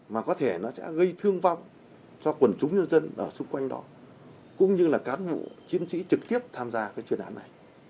mà có thể nó sẽ gây thương vong cho quần chúng nhân dân ở xung quanh đó cũng như là cán bộ chiến sĩ trực tiếp tham gia cái chuyên án này